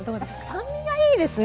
酸味がいいですね。